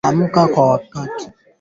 Mafisadi kuuawa